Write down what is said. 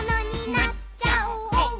「なっちゃおう」